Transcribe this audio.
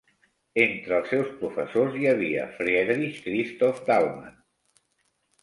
Entre els seus professors hi havia Friedrich Christoph Dahlmann.